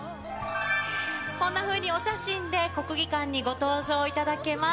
こんなふうにお写真で国技館にご登場いただけます。